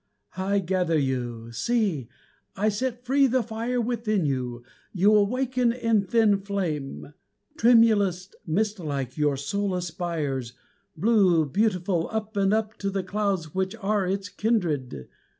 I gather you. See! I set free the fire within you You awake in thin flame! Tremulous, mistlike, your soul aspires, Blue, beautiful, Up and up to the clouds which are its kindred!